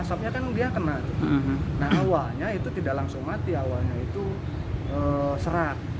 asapnya kan dia kena nah awalnya itu tidak langsung mati awalnya itu serat